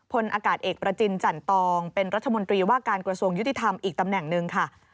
พลอากาศเอกประจินจันตองเป็นรัฐมนตรีว่าการกระทรวงยุติธรรมอีกตำแหน่งหนึ่งค่ะ